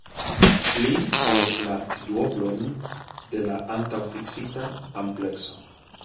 Pli ol la duoblon de la antaŭfiksita amplekso!